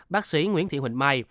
bác sĩ nguyễn thị huỳnh mai